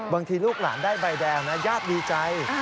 ลูกหลานได้ใบแดงนะญาติดีใจ